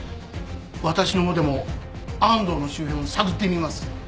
私の方でも安藤の周辺を探ってみます。